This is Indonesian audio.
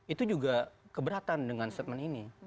itu juga keberatan dengan statement ini